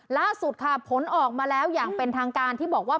ล่าสุดค่ะผลออกมาแล้วอย่างเป็นทางการที่บอกว่า